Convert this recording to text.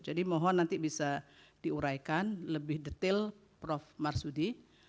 jadi mohon nanti bisa diuraikan lebih detail prof marsudi